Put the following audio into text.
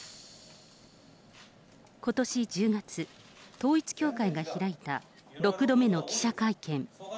ことし１０月、統一教会が開いた６度目の記者会見。